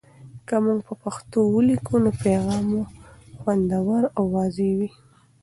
که موږ په پښتو ولیکو، نو پیغام مو خوندور او واضح وي.